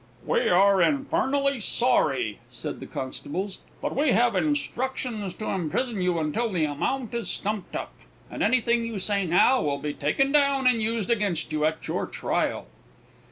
"We are infernally sorry," said the constables, "but we have instructions to imprison you until the amount is stumped up, and anything you say now will be taken down and used against you at your trial."